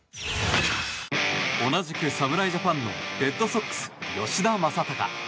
同じく侍ジャパンのレッドソックス、吉田正尚。